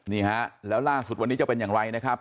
นี่ฮะแล้วล่าสุดวันนี้จะเป็นอย่างไรนะครับ